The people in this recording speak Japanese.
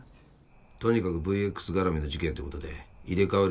とにかくＶＸがらみの事件ってことで入れ代わり